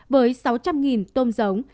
với sáu trăm linh tôm giống